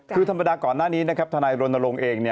คือธรรมดาก่อนหน้านี้นะครับทนายรณรงค์เอง